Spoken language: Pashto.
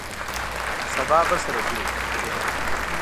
سبا به سره ګورو !